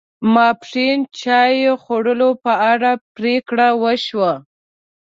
ماپښین چای خوړلو په اړه پرېکړه و شوه.